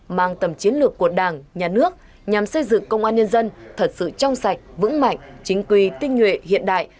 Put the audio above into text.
mang tầm chiến lược của đảng nhà nước nhằm xây dựng công an nhân dân thật sự trong sạch vững mạnh chính quy tinh nguyện hiện đại